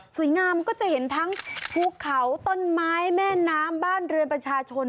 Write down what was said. งามก็จะเห็นทั้งภูเขาต้นไม้แม่น้ำบ้านเรือนประชาชน